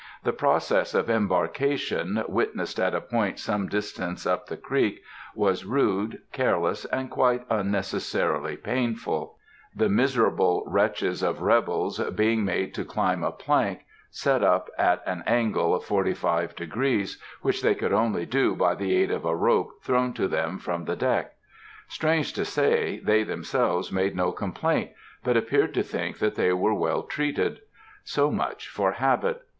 The process of embarkation, witnessed at a point some distance up the creek, was rude, careless, and quite unnecessarily painful; the miserable wretches of rebels being made to climb a plank, set up at an angle of forty five degrees, which they could only do by the aid of a rope thrown to them from the deck. Strange to say, they themselves made no complaint, but appeared to think that they were well treated. So much for habit.